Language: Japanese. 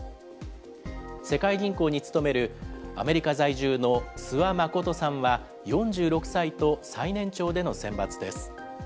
世界銀行に勤めるアメリカ在住の諏訪理さんは４６歳と最年長での選抜です。